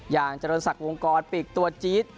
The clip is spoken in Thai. อย่างจริงสักวงกรปีกตัวจี๊ด